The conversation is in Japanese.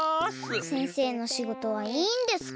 先生のしごとはいいんですか？